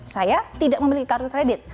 saya tidak memiliki kartu kredit